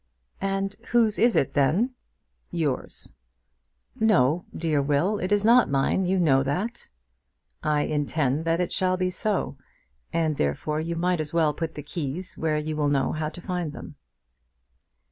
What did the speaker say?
"And whose is it, then?" "Yours." "No, dear Will; it is not mine. You know that." "I intend that it shall be so, and therefore you might as well put the keys where you will know how to find them."